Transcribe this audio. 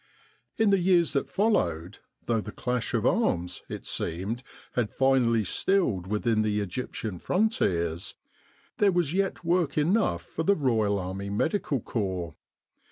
In the years that followed, though the clash of arms, it seemed, had finally stilled within the Egyptian frontiers, there was yet work enough for the Royal Army Medical Corps.